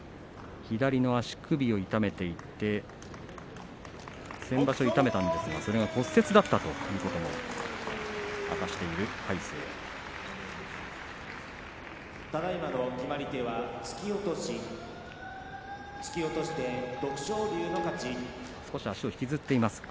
左の足首を痛めて、先場所痛めたんですが、それが骨折だったということを明かしている魁聖。